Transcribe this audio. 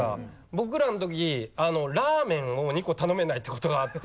僕らのときラーメンを２個頼めないってことがあって。